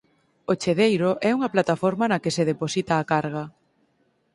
O chedeiro é unha plataforma na que se deposita a carga.